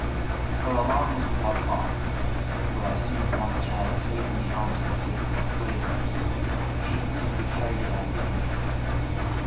Her alarm was without cause, for I soon found the child safe in the arms of a faithful slave nurse. She had simply carried it out of danger.